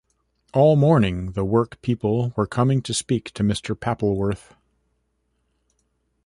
All morning the work-people were coming to speak to Mr. Pappleworth.